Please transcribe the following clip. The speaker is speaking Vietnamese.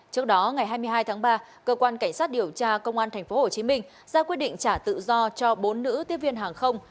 trước đó ngày hai mươi hai tháng ba cơ quan cảnh sát điều tra công an tp hcm ra quyết định trả tự do cho bốn nữ tiếp viên hàng không